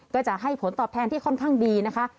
ก็จะให้ผลตอบแทนที่ค่อนข้างดีนะคะ